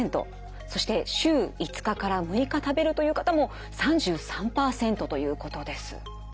そして週５日から６日食べるという方も３３％ということです。